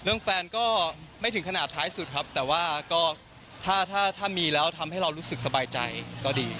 แฟนก็ไม่ถึงขนาดท้ายสุดครับแต่ว่าก็ถ้าถ้ามีแล้วทำให้เรารู้สึกสบายใจก็ดี